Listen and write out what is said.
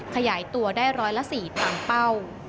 ขยายตัวได้ร้อยละ๔ตามเป้า